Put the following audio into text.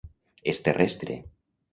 És terrestre.